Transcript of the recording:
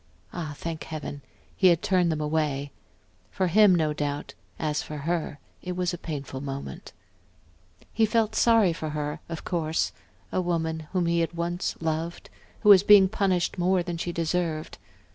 Ah, thank Heaven, he had turned them away; for him, no doubt, as for her it was a painful moment. He felt sorry for her, of course a woman whom he had loved once, who was being punished more than she deserved.